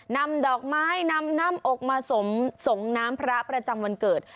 นำดอกไม้นำหน้าอกมาส่งน้ำพระประจำวันเกิด